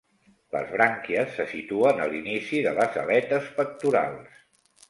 Les brànquies se situen a l'inici de les aletes pectorals.